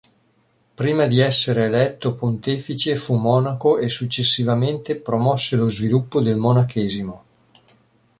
Prima di essere eletto pontefice fu monaco e, successivamente, promosse lo sviluppo del monachesimo.